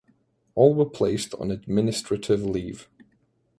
All were placed on administrative leave.